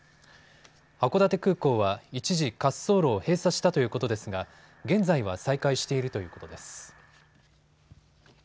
函館空港は一時、滑走路を閉鎖したということですが現在は再開しているということです。